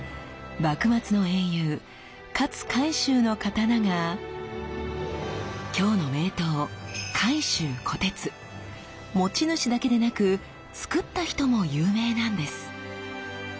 幕末の英雄勝海舟の刀がきょうの名刀持ち主だけでなくつくった人も有名なんです。